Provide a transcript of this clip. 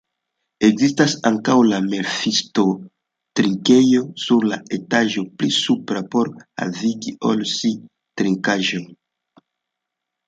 Ekzistas ankaŭ la Mephisto-trinkejo sur la etaĝo pli supra por havigi al si trinkaĵojn.